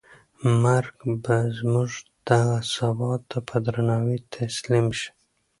مرګ به زموږ دغه ثبات ته په درناوي تسلیم شي.